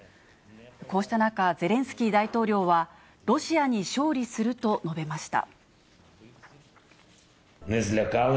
こうした中、ゼレンスキー大統領は、ロシアに勝利すると述べました。